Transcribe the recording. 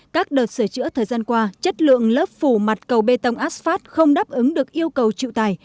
các đợt sửa chữa thời gian qua chất lượng lớp phủ mặt cầu bê tông asmart không đáp ứng được yêu cầu chịu tài